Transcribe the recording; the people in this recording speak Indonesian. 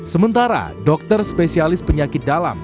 sementara dokter spesialis penyakit dalam